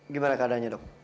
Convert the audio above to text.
gimana keadaannya dok